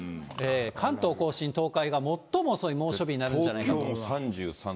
関東甲信、東海が最も遅い猛暑日になるんじゃないかと。